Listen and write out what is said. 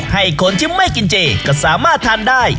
ให้คนที่ไม่กินเจก็สามารถทานได้